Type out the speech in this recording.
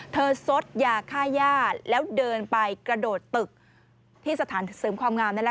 เธอสดอย่าฆ่าย่าแล้วเดินไปกระโดดตึกที่สถานเสริมความงาม